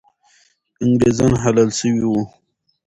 انګریزان حلال سوي وو.